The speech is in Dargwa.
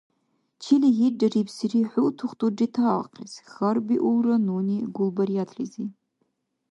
— Чили гьиррарибсири хӀу тухтур ретаахъес? — хьарбиулра нуни Гулбариятлизи.